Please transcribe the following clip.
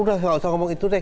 udah gak usah ngomong itu deh